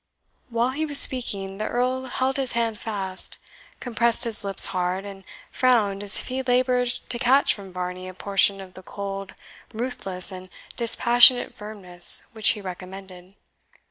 While he was speaking, the Earl held his hand fast, compressed his lips hard, and frowned, as if he laboured to catch from Varney a portion of the cold, ruthless, and dispassionate firmness which he recommended.